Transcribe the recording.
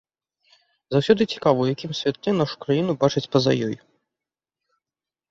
Заўсёды цікава, у якім святле нашу краіну бачаць па-за ёй.